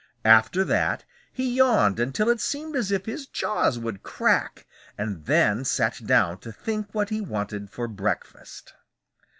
After that he yawned until it seemed as if his jaws would crack, and then sat down to think what he wanted for breakfast.